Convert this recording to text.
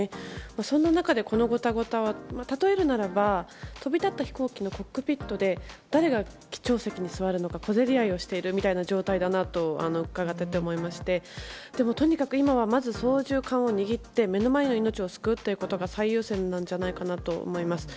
そんな中で、このごたごたは例えるならば飛び立った飛行機のコックピットで誰が機長席に座るのか小競り合いをしているみたいな状態だなと伺って思っていましてとにかく今はまず操縦桿を握って目の前の命を救うことが最優先なんじゃないかと思います。